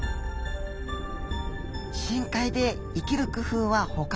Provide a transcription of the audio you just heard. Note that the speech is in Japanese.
深海で生きる工夫は他にも。